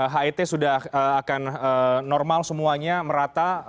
het sudah akan normal semuanya merata